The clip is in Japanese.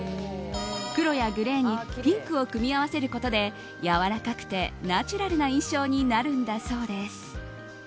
黒やグレーにピンクを組み合わせることでやわらかくてナチュラルな印象になるんだそうです。